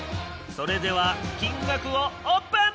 それでは金額をオープン！